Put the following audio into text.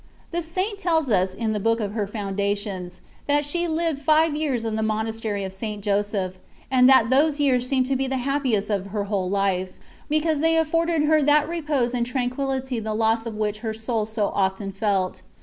The Saint tells us, in the Book of her Foundations,* that she lived five years in the Monastery of St. Joseph, and that those years seemed to be the hap piest of her whole life, because they afforded her that repose and tranq\iillity the loss of which her soul so often felt.